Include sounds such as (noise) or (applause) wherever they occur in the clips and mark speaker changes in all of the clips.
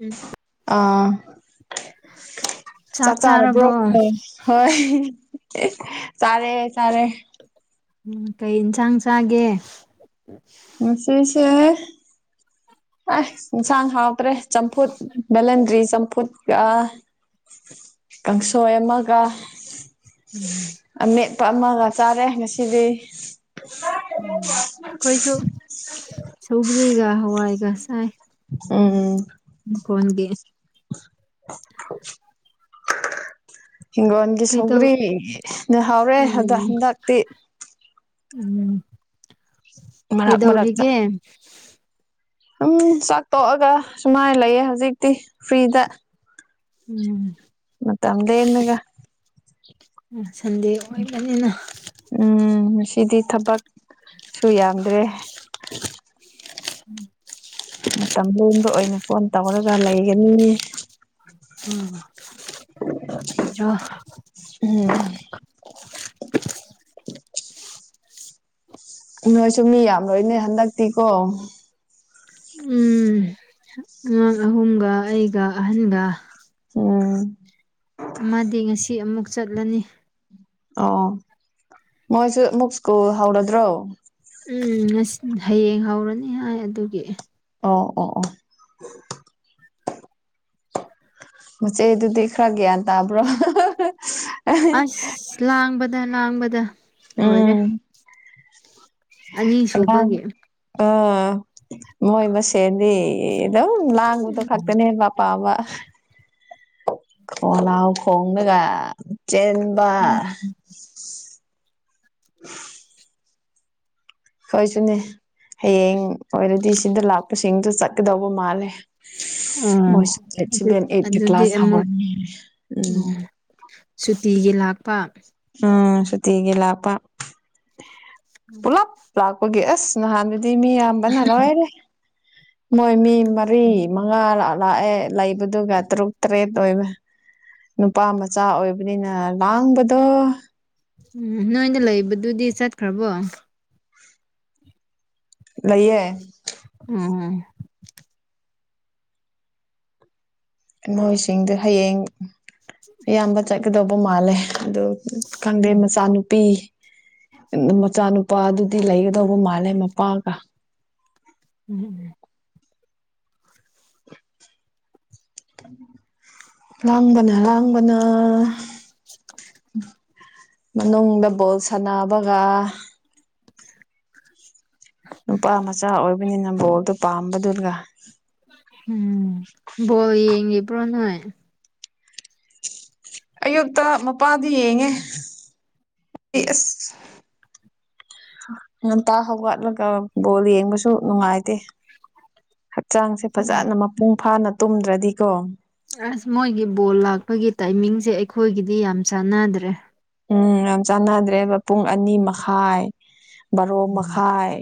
Speaker 1: ꯎꯝ
Speaker 2: ꯑꯥ ꯆꯥꯛ ꯆꯥꯔꯕ꯭ꯔꯣ ꯍꯣꯏ ꯆꯔꯦ ꯆꯔꯦ
Speaker 1: ꯎꯝ ꯀꯩ ꯏꯟꯁꯥꯡ ꯆꯥꯒꯦ
Speaker 2: ꯉꯁꯤꯁꯦ ꯑꯁ ꯌꯦꯟꯁꯥꯡ ꯍꯥꯎꯇ꯭ꯔꯦ ꯆꯝꯐꯨꯠ ꯕꯦꯂꯟꯗ꯭ꯔꯤ ꯆꯝꯐꯨꯠ ꯀ ꯀꯥꯡꯁꯣꯏ ꯑꯃꯒ
Speaker 1: (inaudible)
Speaker 2: ꯑꯃꯦꯠꯄ ꯑꯃꯒ ꯆꯥꯔꯦ ꯉꯁꯤꯗꯤ (inaudible)
Speaker 1: ꯁꯧꯒꯔꯤꯒ ꯍꯋꯥꯏꯒ ꯆꯥꯏ
Speaker 2: ꯎꯝ ꯎꯝ
Speaker 1: ꯎ ꯐꯣꯟꯒꯤ
Speaker 2: (unintelligible) ꯍꯤꯡꯒꯣꯜꯒꯤ
Speaker 1: ꯀꯩꯗꯧ
Speaker 2: ꯁꯧꯒꯔꯤꯅ ꯍꯥꯎꯔꯦ ꯍꯟꯗ
Speaker 1: ꯎꯝ
Speaker 2: ꯍꯟꯗꯛꯇꯤ
Speaker 1: ꯎꯝ
Speaker 2: ꯃꯔꯛ
Speaker 1: ꯀꯩꯗꯧꯔꯤꯒꯦ
Speaker 2: ꯁꯨꯝ ꯆꯥꯛꯇꯣꯛꯑꯒ ꯁꯨꯃꯥꯏꯅ ꯂꯩꯌꯦ ꯍꯧꯖꯤꯛꯇꯤ ꯐ꯭ꯔꯤꯗ
Speaker 1: ꯎꯝ
Speaker 2: ꯃꯇꯝ ꯂꯦꯜꯂꯒ
Speaker 1: ꯁꯟꯗꯦ ꯑꯣꯏꯕꯅꯤꯅ
Speaker 2: ꯎꯝ ꯉꯁꯤꯗꯤ ꯊꯕꯛ ꯁꯨ ꯌꯥꯝꯗ꯭ꯔꯦ ꯃꯇꯝ ꯂꯦꯟꯕ ꯑꯣꯏꯅ ꯐꯣꯟ ꯇꯧꯔꯒ ꯂꯩꯒꯅꯤ
Speaker 1: ꯎꯝ
Speaker 2: ꯎꯝ ꯅꯣꯏꯁꯨ ꯃꯤ ꯌꯥꯝ ꯂꯣꯏꯅꯦ ꯍꯟꯗꯛꯇꯤꯀꯣ
Speaker 1: ꯎꯝ ꯑꯉꯥꯡ ꯑꯍꯨꯝꯒ ꯑꯩꯒ ꯑꯍꯟꯒ
Speaker 2: ꯎꯝ
Speaker 1: ꯑꯃꯗꯤ ꯉꯁꯤ ꯑꯃꯨꯛ ꯆꯠꯂꯅꯤ
Speaker 2: ꯑꯣ ꯃꯣꯏꯁꯨ ꯑꯃꯨꯛ ꯁ꯭ꯀꯨꯜ ꯍꯧꯔꯗ꯭ꯔꯣ
Speaker 1: ꯎꯝ ꯉ ꯍꯌꯦꯡ ꯍꯧꯔꯅꯤ ꯍꯥꯏ ꯑꯗꯨꯒꯤ
Speaker 2: ꯑꯣ ꯑꯣ ꯑꯣ ꯃꯆꯦꯗꯨꯗꯤ ꯈꯔ ꯒ꯭ꯌꯥꯟ ꯇꯥꯕ꯭ꯔꯣ
Speaker 1: ꯑꯁ ꯂꯥꯡꯕꯗ ꯂꯥꯡꯕꯗ ꯂꯣꯏꯔꯦ
Speaker 2: ꯎꯝ
Speaker 1: ꯑꯅꯤꯁꯨꯕꯒꯤ
Speaker 2: ꯑꯣ ꯃꯣꯏ ꯃꯁꯦꯅꯤ ꯑꯦꯗꯝ ꯂꯥꯡꯕꯗꯨ ꯈꯥꯛꯇꯅꯦ ꯄ ꯄꯥꯝꯕ ꯈꯣꯡꯂꯥꯎ ꯈꯣꯡꯂꯒ ꯆꯦꯟꯕ
Speaker 1: ꯎꯝ
Speaker 2: ꯍꯣꯏꯁꯨꯅꯦ ꯍꯌꯦꯡ ꯑꯣꯏꯔꯗꯤ ꯁꯤꯗ ꯂꯥꯛꯄꯁꯤꯡꯗꯣ ꯆꯠꯀꯗꯧꯕ ꯃꯥꯜꯂꯦ
Speaker 1: ꯎꯝ
Speaker 2: ꯃꯣꯏꯁꯨ ꯗꯦꯠ
Speaker 1: ꯑꯗꯨ
Speaker 2: ꯁꯕꯦꯟ ꯑꯩꯠ ꯇꯩ
Speaker 1: ꯑꯗꯨꯗꯤ
Speaker 2: ꯀ꯭ꯂꯥꯁ
Speaker 1: ꯑꯃꯨꯛ
Speaker 2: ꯍꯧꯔꯅꯤ
Speaker 1: ꯑꯣ ꯁꯨꯇꯤꯒꯤ ꯂꯥꯛꯄ
Speaker 2: ꯎꯝ ꯁꯨꯇꯤꯒꯤ ꯂꯥꯛꯄꯥ ꯄꯨꯂꯞ ꯂꯥꯛꯄꯒꯤ ꯑꯁ ꯅꯍꯥꯟꯗꯨꯗꯤ ꯃꯤ ꯌꯥꯝꯕꯅ ꯂꯣꯏꯔꯦ ꯃꯣꯏ ꯃꯤ ꯃꯔꯤ ꯃꯉꯥ ꯂꯥꯛꯑꯦ ꯂꯩꯕꯗꯨꯒ ꯇꯔꯨꯛ ꯇꯔꯦꯠ ꯑꯣꯏꯕ ꯅꯨꯄꯥ ꯃꯆꯥ ꯑꯣꯏꯕꯅꯤꯅ ꯂꯥꯡꯕꯗꯣ
Speaker 1: ꯎꯝ ꯅꯣꯏꯅ ꯂꯩꯕꯗꯨꯗꯤ ꯆꯠꯈ꯭ꯔꯕꯣ
Speaker 2: ꯂꯩꯌꯦ
Speaker 1: ꯎꯝ
Speaker 2: ꯅꯣꯏꯁꯤꯡꯗ ꯍꯌꯦꯡ
Speaker 1: (inaudible)
Speaker 2: ꯇꯝꯕ ꯆꯠꯀꯗꯧꯕ ꯃꯥꯜꯂꯦ ꯑꯗꯨ ꯈꯪꯗꯦ ꯃꯆꯥꯅꯨꯄꯤ ꯃꯆꯥꯅꯨꯄꯥ ꯗꯨꯗꯤ ꯂꯩꯒꯗꯧꯕ ꯃꯥꯜꯂꯦ ꯃꯄꯥꯒ
Speaker 1: (inaudible)
Speaker 2: ꯂꯥꯡꯕꯅ ꯂꯥꯡꯕꯅ ꯃꯅꯨꯡꯗ ꯕꯣꯜ ꯁꯥꯟꯅꯕꯒ ꯅꯨꯄꯥ ꯃꯆꯥ ꯑꯣꯏꯕꯅꯤꯅ ꯕꯣꯜꯗꯣ ꯄꯥꯝꯕꯗꯨꯒ
Speaker 1: ꯎꯝ ꯕꯣꯜ ꯌꯦꯡꯉꯤꯕ꯭ꯔꯣ ꯅꯣꯏ
Speaker 2: ꯑꯌꯨꯛꯇ ꯃꯄꯥꯗꯨ ꯌꯦꯡꯉꯦ ꯑꯩ ꯑꯁ ꯉꯝꯇꯥ ꯍꯧ ꯋꯥꯠꯂꯒ ꯕꯣꯜ ꯌꯦꯡꯕꯁꯨ ꯅꯨꯡꯉꯥꯏꯇꯦ
Speaker 1: (inaudible)
Speaker 2: ꯆꯥꯡꯁꯦ ꯐꯖꯅ ꯃꯄꯨꯡ ꯐꯥꯅ ꯇꯨꯝꯗ꯭ꯔꯗꯤꯀꯣ
Speaker 1: ꯑꯁ ꯃꯣꯏꯒꯤ ꯕꯣꯜ ꯂꯥꯛꯄꯒꯤ ꯇꯥꯏꯃꯤꯡꯁꯦ ꯑꯩꯈꯣꯏꯒꯤꯗꯤ ꯌꯥꯝ ꯆꯥꯟꯅꯗ꯭ꯔꯦ
Speaker 2: ꯎꯝ ꯌꯥꯝ ꯆꯥꯟꯅꯗ꯭ꯔꯦꯕ ꯄꯨꯡ ꯑꯅꯤ ꯃꯈꯥꯏ ꯕꯥꯔꯣ ꯃꯈꯥꯏ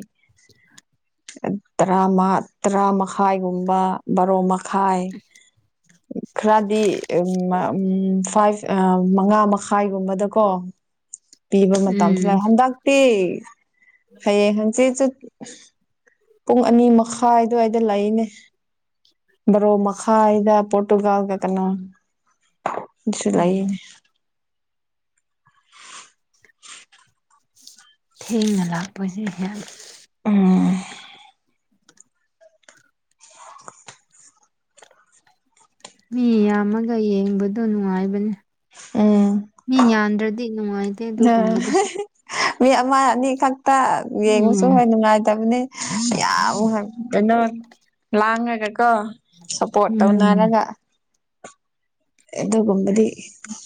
Speaker 2: ꯔꯥ ꯇꯔꯥ ꯃꯈꯥꯏꯒꯨꯝꯕ ꯕꯥꯔꯣ ꯃꯈꯥꯏ ꯈꯔꯗꯤ ꯎ ꯎꯝ ꯐꯥꯏꯚ ꯃꯉꯥ ꯃꯈꯥꯏꯒꯨꯝꯕꯗꯀꯣ ꯄꯤꯕ ꯃꯇꯝꯁꯨ
Speaker 1: ꯎꯝ
Speaker 2: ꯂꯥꯛꯦ ꯍꯟꯗꯛꯇꯤ ꯍꯌꯦꯡ ꯍꯪꯆꯤꯠ ꯄꯨꯡ ꯑꯅꯤ ꯃꯈꯥꯏꯗꯋꯥꯏꯗ ꯂꯩꯅꯦ ꯕꯥꯔꯣ
Speaker 1: ꯑꯁ
Speaker 2: ꯃꯈꯥꯏꯗ ꯄ ꯒꯒ ꯀꯩꯅꯁꯨꯂ
Speaker 1: ꯎꯝ ꯊꯦꯡꯅ ꯂꯥꯛꯄꯁ ꯍ
Speaker 2: ꯎꯝ
Speaker 1: ꯃꯤ ꯌꯥꯝꯃꯒ ꯌꯦꯡꯕꯗ ꯅꯨꯡꯉꯥꯏꯕꯅꯤ
Speaker 2: ꯎꯝ
Speaker 1: ꯃꯤ ꯌꯥꯝꯗ꯭ꯔꯗꯤ ꯅꯨꯡꯉꯥꯏꯇꯦ ꯑꯗꯨꯒꯨꯝꯕꯗꯨꯁꯨ
Speaker 2: ꯃꯤ ꯑꯃ ꯑꯅꯤ ꯈꯛꯇ ꯌꯦꯡꯕꯁꯨ
Speaker 1: ꯎꯝ
Speaker 2: ꯍꯣꯏ ꯅꯨꯡꯉꯥꯏꯇꯕꯅꯤ (unintelligible) ꯀꯩꯅꯣ ꯂꯥꯉꯉꯒ ꯀꯣ ꯁꯄ꯭ꯔꯣꯠ
Speaker 1: ꯎꯝ
Speaker 2: ꯇꯧꯅꯔꯒ ꯑꯦ ꯑꯗꯨꯒꯨꯝꯕꯗꯤ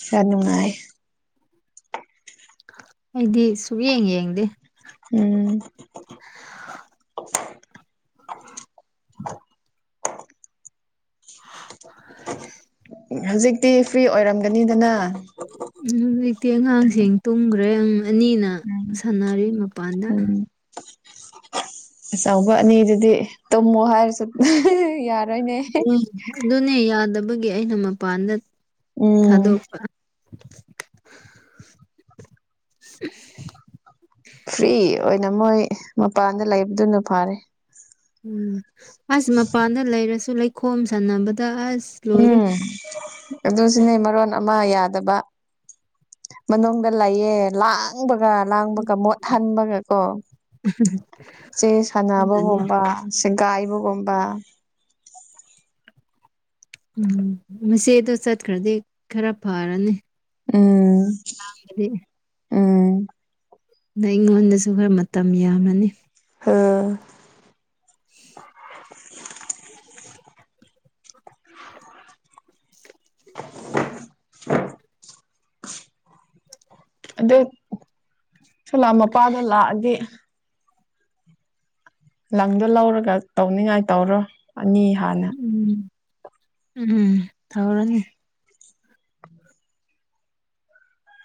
Speaker 2: ꯈꯔ ꯅꯨꯡꯉꯥꯏ
Speaker 1: ꯑꯩꯗꯤ ꯁꯨꯛ ꯌꯦꯡ ꯌꯦꯡꯗꯦ
Speaker 2: ꯎꯝ
Speaker 1: (unintelligible)
Speaker 2: ꯍꯧꯖꯤꯛꯇꯤ ꯐ꯭ꯔꯤ ꯑꯣꯏꯔꯝꯒꯅꯤꯗꯅ
Speaker 1: ꯍꯧꯖꯤꯛꯇꯤ ꯑꯉꯥꯡꯁꯤꯡ ꯇꯨꯝꯈ꯭ꯔꯦ ꯑꯅꯤꯅ
Speaker 2: ꯎꯝ
Speaker 1: ꯁꯥꯟꯅꯔꯤ ꯃꯄꯥꯟꯗ
Speaker 2: ꯎꯝ ꯑꯆꯧꯕ ꯑꯅꯤꯗꯨꯗꯤ ꯇꯨꯝꯃꯣ ꯍꯥꯏꯔꯁꯨ (unintelligible) ꯌꯥꯔꯣꯏꯅꯦ
Speaker 1: ꯎꯝ ꯑꯗꯨꯅꯦ ꯌꯥꯗꯕꯒꯤ ꯑꯩꯅ ꯃꯄꯥꯟꯗ
Speaker 2: ꯎꯝ
Speaker 1: ꯊꯥꯗꯣꯛꯄ (unintelligible)
Speaker 2: ꯐ꯭ꯔꯤ ꯑꯣꯏꯅ ꯃꯣꯏ ꯃꯄꯥꯟꯗ ꯂꯩꯕꯗꯨꯅ ꯐꯔꯦ
Speaker 1: ꯎꯝ ꯑꯁ ꯃꯄꯥꯟꯗ ꯂꯩꯔꯁꯨ ꯂꯩꯈꯣꯝ ꯁꯥꯟꯅꯕꯗ ꯑꯁ ꯂꯣꯏꯔꯦ
Speaker 2: ꯎꯝ ꯑꯗꯨꯁꯨꯅꯦ ꯃꯔꯣꯟ ꯑꯃ ꯌꯥꯗꯕ ꯃꯅꯨꯡꯗ ꯂꯩꯌꯦ ꯂꯥꯡ ꯂꯥꯡꯕꯒ ꯂꯥꯡꯕꯒ ꯃꯣꯠꯍꯟꯕꯒ ꯀꯣ ꯆꯦ
Speaker 1: ꯌꯥꯗꯦ
Speaker 2: ꯁꯥꯟꯅꯕꯒꯨꯝꯕ ꯁꯤꯒꯥꯏ ꯕꯒꯨꯝꯕ
Speaker 1: ꯎꯝ ꯃꯆꯦꯗꯣ ꯆꯠꯈ꯭ꯔꯗꯤ ꯈꯔ ꯐꯔꯅꯤ
Speaker 2: ꯎꯝ
Speaker 1: (unintelligible)
Speaker 2: ꯎꯝ
Speaker 1: ꯗꯩ ꯑꯩꯉꯣꯟꯗꯁꯨ ꯈꯔ ꯃꯇꯝ ꯌꯥꯝꯃꯅꯤ
Speaker 2: ꯑꯝ
Speaker 1: (inaudible)
Speaker 2: ꯑ (unintelligible) ꯑꯗꯨ ꯁꯂꯥ ꯃꯄꯥꯗꯣ ꯂꯥꯛꯑꯗꯤ ꯂꯪꯗꯣ ꯂꯧꯔꯒ ꯇꯧꯅꯤꯡꯉꯥꯏ ꯇꯧꯔꯣ ꯑꯅꯤ ꯍꯥꯟꯅ
Speaker 1: ꯎꯝ ꯎꯝ ꯇꯧꯔꯅꯤ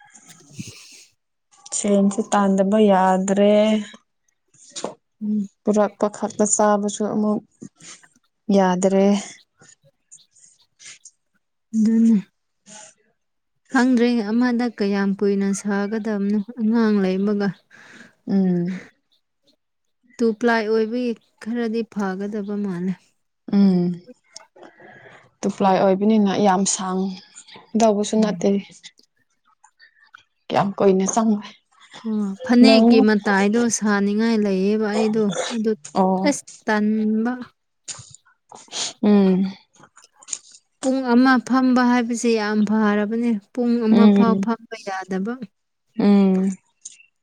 Speaker 1: (inaudible)
Speaker 2: ꯁꯦꯟꯁꯨ ꯇꯥꯟꯗꯕ ꯌꯥꯗ꯭ꯔꯦ
Speaker 1: ꯎꯝ
Speaker 2: ꯄꯨꯔꯛꯄ ꯈꯛꯇ ꯆꯥꯕꯁꯨ ꯑꯃꯨꯛ ꯌꯥꯗ꯭ꯔꯦ
Speaker 1: ꯑꯗꯨꯅꯤ
Speaker 2: (unintelligible)
Speaker 1: ꯍꯪꯗ꯭ꯔꯦ ꯑꯃꯗ ꯀꯌꯥꯝ ꯀꯨꯏꯅ ꯁꯥꯒꯗꯕꯅꯣ ꯑꯉꯥꯡ ꯂꯩꯕꯒ
Speaker 2: ꯎꯝ
Speaker 1: ꯇꯨ ꯄ꯭ꯂꯥꯏ ꯑꯣꯏꯕꯒꯤ ꯈꯔꯗꯤ ꯐꯒꯗꯕ ꯃꯥꯜꯂꯦ
Speaker 2: ꯎꯝ ꯇꯨ ꯄ꯭ꯂꯥꯏ ꯑꯣꯏꯕꯅꯤꯅ ꯌꯥꯝ ꯁꯥꯡ ꯇꯧꯕꯁꯨ
Speaker 1: ꯎꯝ
Speaker 2: ꯅꯠꯇꯦ ꯀꯌꯥꯝ ꯀꯨꯏꯅ ꯆꯪꯉꯦ
Speaker 1: ꯑꯣ ꯐꯅꯦꯛꯀꯤ ꯃꯇꯥꯏꯗꯣ ꯁꯥꯅꯤꯡꯉꯥꯏ ꯂꯩꯌꯦꯕ ꯑꯩꯗꯣ ꯑꯗꯨ
Speaker 2: ꯑꯣ
Speaker 1: ꯑꯁ ꯇꯟꯕ
Speaker 2: (unintelligible) ꯎꯝ
Speaker 1: ꯄꯨꯡ ꯑꯃ ꯐꯝꯕ ꯍꯥꯏꯕꯁꯦ ꯌꯥꯝ ꯐꯔꯕꯅꯦ ꯄꯨꯡ ꯑꯃ ꯐꯥꯎ
Speaker 2: ꯎꯝ
Speaker 1: ꯐꯝꯕ ꯌꯥꯗꯕ
Speaker 2: ꯎꯝ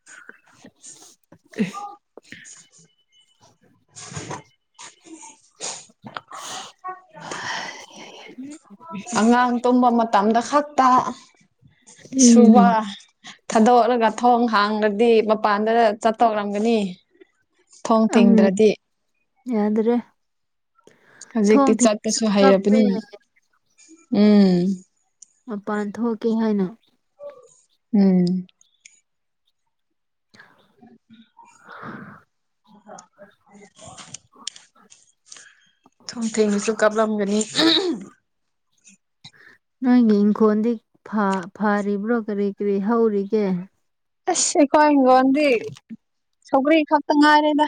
Speaker 1: (unintelligible)
Speaker 2: (unintelligible)
Speaker 1: (unintelligible)
Speaker 2: ꯑꯉꯥꯡ ꯇꯨꯝꯕ ꯃꯇꯝꯗ ꯈꯛꯇ ꯁꯨꯕ
Speaker 1: ꯎꯝ
Speaker 2: ꯊꯥꯗꯣꯛꯂꯒ ꯊꯣꯡ ꯍꯥꯡꯂꯗꯤ ꯃꯄꯥꯟꯗꯒ ꯆꯠꯇꯧꯔꯝꯒꯅꯤ ꯊꯣꯡ
Speaker 1: ꯎꯝ
Speaker 2: ꯊꯤꯡꯗ꯭ꯔꯗꯤ
Speaker 1: ꯌꯥꯗ꯭ꯔꯦ ꯊꯣꯡ
Speaker 2: ꯍꯨꯖꯤꯛꯇꯤ
Speaker 1: ꯊꯤꯡꯉꯁꯨ
Speaker 2: ꯆꯠꯄꯁꯨ
Speaker 1: ꯀꯞꯄꯦ
Speaker 2: ꯍꯩꯔꯕꯅꯤꯅ ꯎꯝ
Speaker 1: ꯃꯄꯥꯟ ꯊꯣꯛꯀꯦ ꯍꯥꯏꯅ
Speaker 2: ꯎꯝ (unintelligible) ꯊꯣꯡ ꯊꯦꯡꯅꯁꯨ ꯀꯞꯂꯝꯒꯅꯤ
Speaker 1: ꯅꯣꯏꯒꯤ ꯏꯪꯈꯣꯜꯗꯤ ꯐꯥꯔꯤꯕ꯭ꯔꯣ ꯀꯔꯤ ꯀꯔꯤ ꯍꯧꯔꯤꯒꯦ
Speaker 2: ꯑꯁ ꯑꯩꯈꯣꯏ ꯍꯤꯡꯈꯣꯟꯗꯤ ꯁꯧꯒ꯭ꯔꯤ ꯈꯛꯇ ꯉꯥꯏꯔꯦꯗ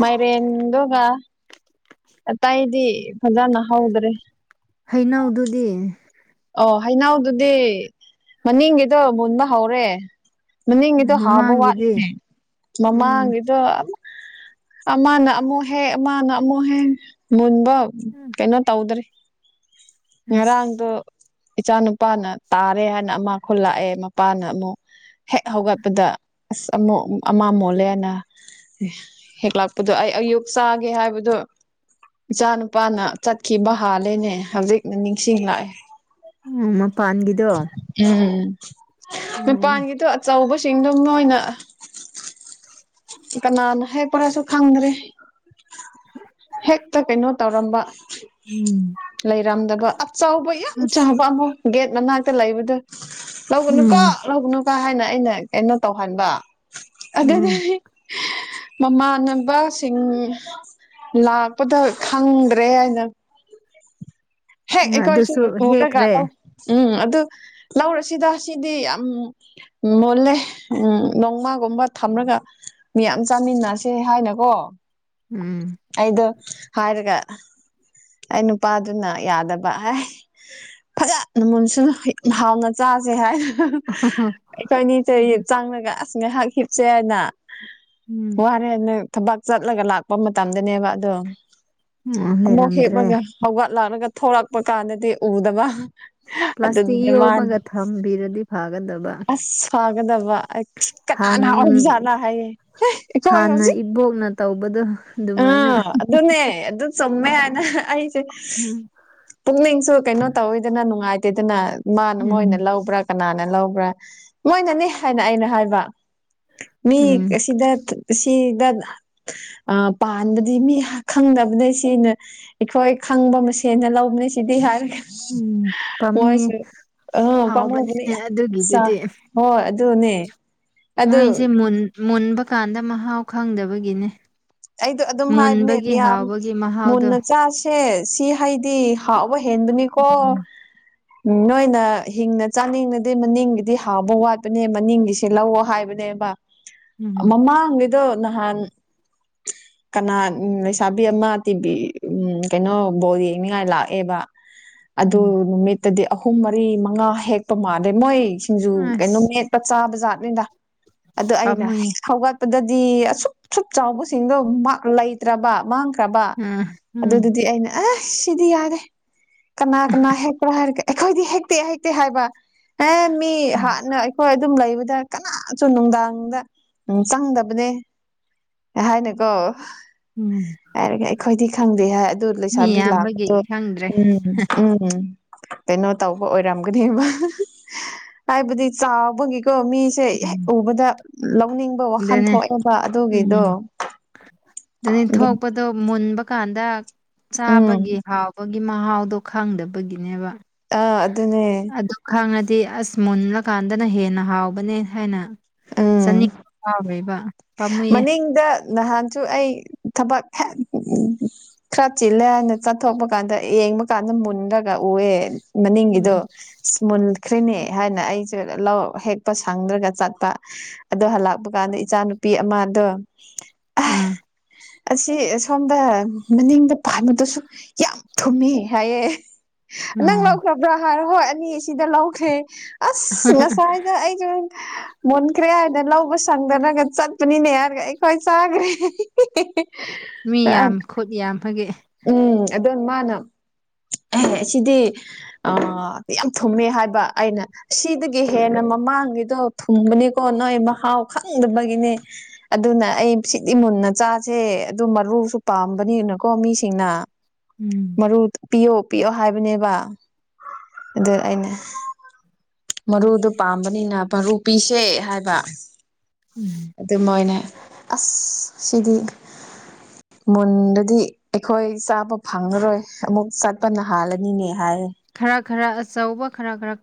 Speaker 2: ꯃꯥꯏꯔꯦꯟꯗꯨꯒ ꯑꯇꯩꯗꯤ ꯐꯖꯅ ꯍꯧꯗ꯭ꯔꯦ
Speaker 1: ꯍꯩꯅꯧꯗꯨꯗꯤ
Speaker 2: ꯑꯣ ꯍꯩꯅꯥꯎꯗꯨꯗꯤ ꯃꯅꯤꯡꯒꯤꯗꯣ ꯃꯨꯟꯕ ꯍꯧꯔꯦ ꯃꯅꯤꯡꯗꯣ ꯍꯥꯎꯕ
Speaker 1: ꯃꯃꯥꯡꯒꯤꯗꯤ
Speaker 2: ꯋꯥꯠꯂꯤꯅꯦ
Speaker 1: ꯎꯝ
Speaker 2: ꯃꯃꯥꯗꯣ ꯑꯃꯥ ꯅꯅꯥꯃꯣ ꯍꯦ ꯑꯃꯥ ꯅꯅꯥꯃꯣ ꯍꯦ ꯃꯟꯕꯣ ꯀꯩꯅꯣ ꯇꯧꯗ꯭ꯔꯔꯤ
Speaker 1: ꯑꯁ
Speaker 2: ꯉꯔꯥꯡꯗꯣ ꯏꯆꯥ ꯅꯨꯄꯥꯅ ꯇꯥꯔꯦ ꯍꯥꯏꯅ ꯑꯃ ꯈꯨꯜꯂꯥꯛꯑꯦ ꯃꯄꯥꯅ ꯑꯃꯨꯛ ꯍꯦꯛ ꯍꯧꯒꯠꯄꯗ ꯑꯁ ꯑꯃ ꯑꯃ ꯃꯣꯠꯂꯦꯅ ꯍꯦꯛꯂꯥꯛꯄꯗꯣ ꯑꯩ ꯑꯌꯨꯛ ꯆꯥꯒꯦ ꯍꯥꯏꯕꯗꯣ ꯏꯆꯥ ꯅꯨꯄꯥꯅ ꯆꯠꯈꯤꯕ ꯍꯥꯜꯂꯦꯅꯦ ꯍꯧꯖꯤꯛꯅ ꯅꯤꯡꯁꯤꯡꯂꯥꯛꯑꯦ
Speaker 1: ꯃꯄꯥꯟꯒꯤꯗꯣ
Speaker 2: ꯎꯝ
Speaker 1: ꯎꯝ
Speaker 2: ꯃꯄꯥꯟꯒꯤꯗꯣ ꯑꯆꯧꯕꯁꯤꯡꯗꯣ ꯃꯣꯏꯅ ꯆꯤꯀꯅꯥ ꯍꯦꯛ ꯄꯔꯁꯨ ꯈꯪꯗ꯭ꯔꯦ ꯍꯦꯛꯇ ꯀꯩꯅꯣ ꯇꯧꯔꯝꯕ
Speaker 1: ꯎꯝ
Speaker 2: ꯂꯩꯔꯝꯗꯕ ꯑꯆꯥꯎꯕ ꯌꯥꯝ
Speaker 1: ꯑꯁ
Speaker 2: ꯆꯥꯎꯕ ꯑꯃꯛ ꯒꯦꯠ ꯃꯅꯥꯛꯇ ꯂꯩꯕꯗꯣ ꯂꯧꯒꯅꯨꯀꯣ
Speaker 1: ꯎꯝ
Speaker 2: ꯍꯧꯕꯅꯨ ꯍꯥꯏꯅ ꯑꯩꯅ ꯀꯩꯅꯣ ꯇꯧꯍꯟꯕ ꯑꯗꯨꯗꯤ
Speaker 1: ꯎꯝ
Speaker 2: ꯃꯃꯥꯟꯅꯕꯁꯤꯡ ꯂꯥꯛꯄꯗ ꯈꯪꯗ꯭ꯔꯦ ꯍꯥꯏꯅ ꯍꯦꯛ ꯑꯩꯈꯣꯏꯁꯨ
Speaker 1: ꯑꯗꯨꯁꯨ
Speaker 2: ꯎꯔꯒ
Speaker 1: ꯍꯦꯛꯈ꯭ꯔꯦ
Speaker 2: ꯂꯧ ꯎꯝ ꯑꯗꯨ ꯂꯧꯔꯁꯤꯗ ꯁꯤꯗꯤ ꯌꯥꯝ ꯃꯨꯜꯂꯦ ꯎꯝ ꯅꯣꯡꯃꯥꯒꯨꯝꯕ ꯊꯝꯂꯒ ꯃꯤꯌꯥꯝ ꯆꯥꯃꯤꯟꯅꯁꯦ ꯍꯥꯏꯅꯀꯣ
Speaker 1: ꯎꯝ
Speaker 2: ꯑꯩꯗꯣ ꯍꯥꯏꯔꯒ ꯑꯩ ꯅꯨꯄꯥꯗꯨꯅ ꯌꯥꯗꯕ ꯍꯥꯏ ꯐꯖꯅ (unintelligible) ꯃꯨꯟꯁꯨꯅ ꯍꯥꯎꯅ ꯆꯥꯁꯦ ꯍꯥꯏ ꯀꯅꯤ ꯇ ꯆꯥꯡꯅꯒ ꯑꯁ ꯉꯥꯏꯍꯥꯛꯈꯤꯞꯁꯦ ꯍꯥꯏꯅ
Speaker 1: ꯎꯝ
Speaker 2: ꯋꯥꯔꯦ ꯅꯣꯏ ꯊꯕꯛ ꯆꯠꯂꯒ ꯂꯥꯛꯄ ꯃꯇꯝꯗꯅꯦꯕ ꯑꯗꯣ
Speaker 1: ꯑꯣ
Speaker 2: ꯑꯃꯨꯛ
Speaker 1: ꯂꯩꯔꯝꯗ꯭ꯔꯦ
Speaker 2: ꯍꯦꯛꯃꯒ ꯍꯧꯒꯠꯂꯛꯂꯒ ꯊꯂꯛꯄ ꯀꯥꯟꯗꯗꯤ ꯎꯗꯕ
Speaker 1: ꯄ꯭ꯂꯥꯁꯇꯤꯛ
Speaker 2: ꯑꯗꯨꯗꯤ ꯃꯥꯅ
Speaker 1: ꯌꯣꯝꯃꯒ ꯊꯝꯕꯤꯔꯗꯤ ꯐꯥꯒꯗꯕ
Speaker 2: ꯑꯁ ꯐꯒꯗꯕ
Speaker 1: ꯍꯥꯟ
Speaker 2: ꯀꯅꯥꯅ ꯑꯣꯏꯖꯥꯠꯂ ꯍꯥꯏꯌꯦ ꯑꯩꯈꯣꯏ ꯍꯧꯖꯤꯛ
Speaker 1: ꯕꯣꯜꯅ ꯇꯧꯕꯗꯣ ꯑꯗꯨꯃꯥꯏꯅ
Speaker 2: ꯑꯥ ꯑꯗꯨ ꯑꯗꯨꯅꯅꯦ ꯑꯗꯨ ꯑꯗꯨ ꯆꯃꯦꯅꯁꯦ
Speaker 1: ꯎꯝ
Speaker 2: ꯄꯨꯛꯅꯤꯡꯁꯨ ꯀꯩꯅꯣ ꯇꯧꯋꯦꯗꯅ ꯅꯨꯡꯉꯥꯏꯇꯦꯗꯅ ꯃꯥꯅ
Speaker 1: ꯎꯝ
Speaker 2: ꯃꯣꯏꯅ ꯂꯧꯕ꯭ꯔꯥ ꯀꯅꯥꯅ ꯂꯧꯕ꯭ꯔꯥ ꯃꯣꯏꯅꯅꯦ ꯍꯥꯏꯅ ꯑꯩꯅ ꯍꯥꯏꯕ ꯃꯤ
Speaker 1: ꯎꯝ
Speaker 2: ꯑꯁꯤꯗ ꯁꯤꯗ ꯑ ꯄꯥꯟꯕꯗꯤ ꯃꯤ ꯈꯪꯗꯅꯕꯅ ꯁꯤꯅ ꯑꯩꯈꯣꯏ ꯈꯪꯕ ꯃꯁꯦꯟꯅ ꯂꯧꯕꯅꯤ ꯁꯤꯗꯤ ꯍꯥꯏꯔꯦ
Speaker 1: ꯎꯝ ꯄꯥꯝꯃꯨꯌꯦ
Speaker 2: ꯃꯣꯏꯁꯨ ꯄꯃꯨꯕ
Speaker 1: ꯍꯥꯎꯕꯅꯤꯅꯦ
Speaker 2: ꯌꯥꯝ ꯆꯥ
Speaker 1: ꯑꯗꯨꯒꯤꯗꯨꯗꯤ
Speaker 2: ꯍꯣꯏ ꯑꯗꯨꯅꯦ ꯑꯗꯨ
Speaker 1: ꯃꯣꯏꯁꯦ ꯃꯨꯟꯕ ꯀꯥꯟꯗ ꯃꯍꯥꯎ ꯈꯪꯗꯕꯒꯤꯅꯦ
Speaker 2: ꯑꯩꯗꯣ ꯑꯗꯨꯝ ꯍꯥꯏꯕꯅꯦ
Speaker 1: ꯃꯨꯟꯕꯒꯤ
Speaker 2: ꯃꯤꯌꯥꯝ
Speaker 1: ꯍꯥꯎꯕꯒꯤ ꯃꯍꯥꯎꯗꯣ
Speaker 2: ꯃꯨꯟꯅ ꯆꯁꯤ ꯁꯤ ꯍꯥꯏꯗꯤ ꯍꯥꯎꯕ ꯍꯦꯟꯕꯅꯤꯀꯣ ꯎꯝ ꯅꯣꯏꯅ ꯍꯤꯡꯅ ꯆꯥꯅꯤꯡꯅꯗꯤ ꯃꯅꯤꯡꯒꯤꯗꯤ ꯍꯥꯎꯕ ꯋꯥꯠꯄꯅꯦ ꯃꯅꯤꯡꯒꯤꯁꯦ ꯂꯧꯑꯣ ꯍꯥꯏꯕꯅꯦꯕ
Speaker 1: ꯎꯝ
Speaker 2: ꯃꯃꯥꯅꯤꯗꯣ ꯅꯍꯥꯟ ꯀꯅꯥ ꯂꯩꯁꯥꯕꯤ ꯑꯃ ꯇꯤꯚꯤ ꯎꯝ ꯀꯩꯅꯣ ꯕꯣꯜ ꯌꯦꯡꯅꯤꯡꯉꯥꯏ ꯂꯥꯛꯑꯦꯕ
Speaker 1: ꯎ (unintelligible) (inaudible)
Speaker 2: ꯑꯗꯨ ꯅꯨꯃꯤꯠꯇꯗꯤ ꯑꯍꯨꯝ ꯃꯔꯤ ꯃꯉꯥ ꯍꯦꯛꯄ ꯃꯥꯜꯂꯦ ꯃꯣꯏ ꯁꯤꯡꯖꯨ ꯀꯩꯅ
Speaker 1: ꯑꯁ
Speaker 2: ꯅꯨꯃꯤꯠ ꯄꯆꯥ ꯕ ꯖꯥꯠꯅꯤꯅ ꯑꯗꯣ ꯑꯩꯅ
Speaker 1: ꯄꯥꯝꯃꯨꯌꯦ
Speaker 2: ꯍꯧꯒꯠꯄꯗꯗꯤ ꯑꯁꯨꯛ ꯑ ꯁꯛ ꯆꯥꯎꯕ ꯁꯤꯡꯗꯣ ꯂꯩꯇ꯭ꯔꯕ ꯃꯥꯡꯈ꯭ꯔꯕ
Speaker 1: ꯎꯝ ꯎꯝ
Speaker 2: ꯑꯗꯨꯗꯨꯗꯤ ꯑꯩꯅ ꯑ ꯁꯤꯗꯤ ꯌꯥꯒꯦ ꯀꯅꯥ ꯀꯅꯥ ꯍꯦꯛ ꯄ꯭ꯔ ꯍꯥꯏꯔ ꯑꯩꯈꯣꯏꯗꯤ ꯍꯦꯛꯇꯦ ꯍꯦꯛꯇꯦ ꯍꯥꯏꯕ ꯑꯦ ꯃꯤ
Speaker 1: ꯎꯝ
Speaker 2: ꯍꯥꯟꯅ ꯍꯣꯏ ꯑꯗꯨꯝ ꯂꯩꯕꯗ ꯀꯅꯥꯁꯨ ꯅꯨꯡꯗꯥꯡꯗ ꯎꯝ ꯆꯪꯗꯕꯅꯦ ꯍꯥꯏꯅꯦꯀꯣ
Speaker 1: ꯎꯝ (unintelligible) (inaudible)
Speaker 2: ꯑꯩ ꯈꯣꯏꯗꯤ ꯈꯪꯗꯦ ꯍꯥꯏ ꯑꯗꯨ
Speaker 1: ꯃꯤ
Speaker 2: ꯂꯩꯁꯥꯕꯤ
Speaker 1: ꯌꯥꯝꯕꯒꯤ
Speaker 2: ꯂꯥꯛꯄꯗꯣ
Speaker 1: ꯈꯪꯗ꯭ꯔꯦ
Speaker 2: ꯎꯝ ꯎꯝ ꯎꯝ ꯀꯩꯅꯣ ꯇꯧꯕ ꯑꯣꯏꯔꯝꯒꯅꯦꯕ ꯍꯥꯏꯕꯨꯗꯤ ꯆꯥꯕꯨꯡꯒꯤꯀꯣ ꯃꯤ ꯁꯦ ꯍꯦꯛ
Speaker 1: ꯎꯝ
Speaker 2: ꯎꯕꯗ ꯂꯧꯅꯤꯡꯕ ꯋꯥꯈꯟ
Speaker 1: ꯑꯗꯨꯅꯦ
Speaker 2: ꯊꯣꯛꯑꯦꯕ ꯑꯗꯨꯒꯤꯗꯣ
Speaker 1: ꯎꯝ ꯑꯗꯨꯅꯤ ꯊꯣꯛꯄꯗꯣ ꯃꯨꯟꯕ ꯀꯥꯟꯗ
Speaker 2: ꯎꯝ
Speaker 1: ꯆꯥꯕꯒꯤ ꯍꯥꯎ ꯒꯤ ꯃꯍꯥꯎꯗꯣ ꯈꯪꯗꯕꯒꯤꯅꯦꯕ
Speaker 2: ꯑ ꯑꯗꯨꯅꯦ
Speaker 1: ꯑꯗꯨ ꯈꯪꯉꯗꯤ ꯑꯁ ꯃꯨꯜꯂꯀꯥꯟꯗꯅ ꯍꯦꯟꯅ ꯍꯥꯎꯕꯅꯦ ꯍꯥꯏꯅ
Speaker 2: ꯑ (unintelligible) (inaudible)
Speaker 1: ꯑꯥꯎꯕꯩꯕ ꯄꯝꯃꯨꯌꯦ
Speaker 2: ꯗ ꯅꯍꯥꯟꯁꯨ ꯑꯩ ꯊꯕꯛ (inaudible) ꯈꯔ ꯆꯤꯜꯂꯦ ꯍꯥꯏꯅ ꯆꯠꯊꯣꯛꯄ ꯀꯥꯟꯗ ꯌꯦꯡꯕ ꯀꯥꯟꯗ ꯃꯨꯟꯔꯒ ꯎꯑꯦ
Speaker 1: ꯎꯝ
Speaker 2: ꯃꯅꯤꯡꯒꯤꯗꯣ ꯃꯨꯟꯈ꯭ꯔꯤꯅꯦ ꯍꯥꯏꯅ ꯑꯩꯁꯦ ꯂꯧ ꯍꯦꯛꯄ ꯁꯪꯗ꯭ꯔꯒ ꯆꯠ ꯑꯗꯣ ꯍꯜꯂꯛꯄ ꯀꯥꯟꯗ ꯏꯆꯥ ꯅꯨꯨꯄꯤ ꯑꯃꯗꯣ
Speaker 1: ꯎꯝ (unintelligible) (inaudible)
Speaker 2: ꯑꯁꯤ ꯁꯣꯝꯗ ꯃꯅꯤꯡꯗ ꯄꯥꯟꯕꯥꯝꯕꯗꯨꯁꯨ ꯌꯥꯝ ꯊꯨꯝꯃꯦ ꯍꯥꯏꯌꯦ ꯅꯪ
Speaker 1: ꯑꯥ
Speaker 2: ꯂꯧꯈ꯭ꯔꯕ꯭ꯔꯥ ꯍꯥꯏꯔꯣ ꯍꯣꯏ ꯑꯅꯤ ꯁꯤꯗ ꯂꯧꯈ꯭ꯔꯦ ꯑꯁ ꯉꯁꯥꯏ ꯑ ꯑꯩꯁꯨ ꯃꯨꯟꯈ꯭ꯔꯦ ꯍꯥꯏꯅ ꯂꯧꯕ ꯁꯪꯗꯅꯒ ꯆꯠꯄꯅꯤꯅꯦ ꯍꯥꯏꯔꯒ ꯑꯩꯈꯣꯏ ꯆꯥꯈ꯭ꯔꯦ (unintelligible) (inaudible)
Speaker 1: ꯃꯤ ꯌꯥꯝ ꯈꯨꯠ ꯌꯥꯝꯕꯒꯤ
Speaker 2: ꯎꯝ ꯑꯗꯣꯅ ꯃꯥꯅ ꯑꯦ ꯁꯤꯗꯤ ꯑ ꯌꯥꯝ ꯊꯨꯝꯃꯦ ꯍꯥꯏꯕ ꯑꯩꯅ ꯁꯤꯗꯒꯤ ꯍꯦꯟꯅ ꯃꯃꯥꯡꯒꯤꯗꯣ ꯊꯨꯝꯕꯅꯤꯀꯣ ꯅꯣꯏ ꯃꯍꯥꯎ ꯈꯪꯗꯕꯒꯤꯅꯦ ꯑꯗꯨꯅ ꯑꯩ ꯁꯤꯗꯤ ꯃꯨꯟꯅ ꯆꯥꯁꯦ ꯑꯗꯨ ꯃꯔꯨꯁꯨ ꯄꯥꯝꯕꯅꯤꯅꯀꯣ ꯃꯤꯁꯤꯡꯅ
Speaker 1: ꯎꯝ
Speaker 2: ꯃꯔꯨ ꯄꯤꯌꯣ ꯄꯤꯌꯣ ꯍꯥꯏꯕꯅꯦꯕ ꯑꯗꯨ ꯑꯩꯅ ꯃꯔꯨꯗꯨ ꯄꯥꯝꯕꯅꯤꯅ ꯃꯔꯨ ꯄꯤꯁꯦ ꯍꯥꯏꯕ
Speaker 1: ꯎꯝ
Speaker 2: ꯑꯗꯨ ꯃꯣꯏꯅ ꯑꯁ ꯁꯤꯗꯤ ꯃꯨꯟꯗꯗꯤ ꯑꯩꯈꯣꯏ ꯆꯥꯕ ꯐꯪꯉꯔꯣꯏ ꯑꯃꯨꯛ ꯆꯠꯄꯅ ꯍꯥꯜꯂꯅꯤꯅꯦ ꯍꯥꯏ
Speaker 1: ꯈꯔ ꯈꯔ ꯑꯆꯧꯕ ꯈꯔ ꯈꯔ ꯀꯠ